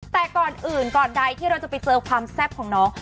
แต่ก่อนอื่นก่อนใดที่เราจะไปเจอความแซ่บของน้อง